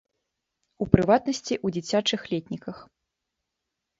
У прыватнасці ў дзіцячых летніках.